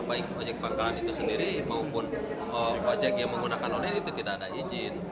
baik ojek pangkalan itu sendiri maupun ojek yang menggunakan online itu tidak ada izin